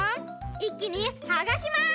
いっきにはがします！